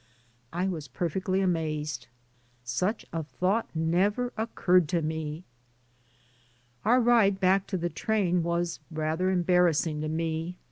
I was perfectly amazed; such a thought never occurred to me. Our ride back to the train was rather em barrassing to me.